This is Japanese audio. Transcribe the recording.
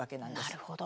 なるほど。